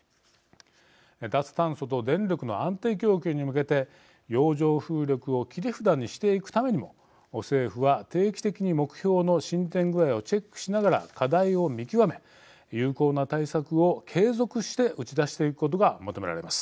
脱炭素と電力の安定供給に向けて洋上風力を切り札にしていくためにも政府は定期的に目標の進展具合をチェックしながら、課題を見極め有効な対策を継続して打ち出していくことが求められます。